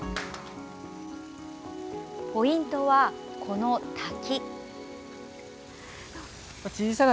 ポイントは、この滝。